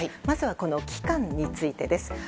まずは期間についてです。